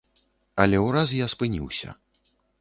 Але ўраз я спыніўся.